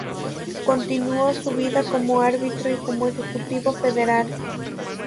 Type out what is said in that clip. Continuó su vida como árbitro y como ejecutivo federal.